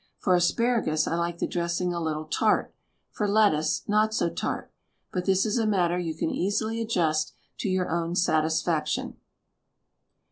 For asparagus I like the dressing a little tart. For lettuce, not so tart. But this is a matter you can easily adjust to your own satisfaction.